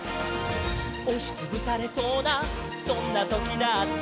「おしつぶされそうなそんなときだって」